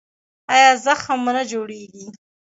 ایا زخم مو نه جوړیږي؟